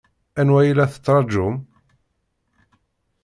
Anwa ay la tettṛajum?